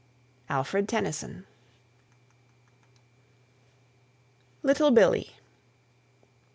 ALFRED TENNYSON. LITTLE BILLEE.